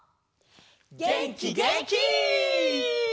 げんきげんき！